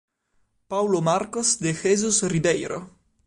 Paulo Marcos de Jesus Ribeiro